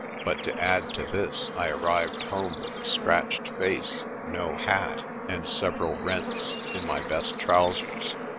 But to add to this I arrived home with a scratched face, no hat, and several rents in my best trousers.